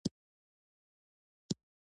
غوښې د افغانستان د طبیعي زیرمو برخه ده.